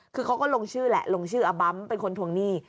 คือเขาก็ลงชื่อแหละลงชื่ออาบัมเป็นคนทวงหนี้